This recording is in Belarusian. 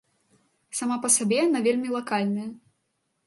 Сама па сабе яна вельмі лакальная.